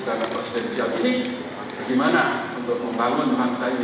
dalam proses siang ini bagaimana untuk membangun bangsa ini